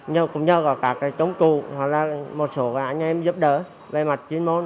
nhưng cũng nhờ cả các công cụ hoặc là một số anh em giúp đỡ về mặt chuyên môn